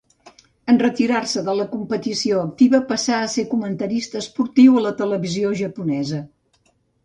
En retirar-se de la competició activa passà a ser comentarista esportiu a la televisió japonesa.